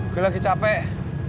gue lagi capek